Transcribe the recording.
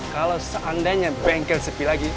kalau seandainya bengkel sepi lagi